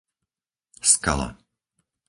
Skala